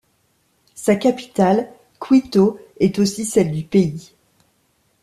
Sa capitale, Quito, est aussi celle du pays.